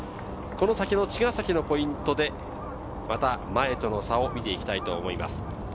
この先の茅ヶ崎のポイントで、また前との差を見ていきたいと思います。